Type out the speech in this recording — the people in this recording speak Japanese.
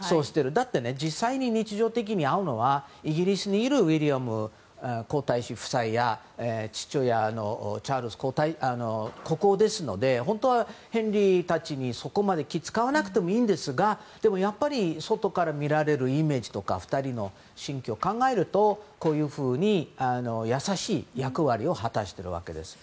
だって、実際に日常的に会うのはイギリスにいるウィリアム皇太子夫妻や父親のチャールズ国王ですので本当はヘンリーたちにそこまで気を使わなくてもいいんですがでも、外から見られるイメージとか２人の心境を考えるとこういうふうに優しい役割を果たしているわけです。